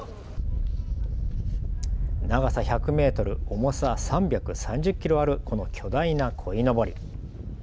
長さ１００メートル、重さ３３０キロあるこの巨大なこいのぼり。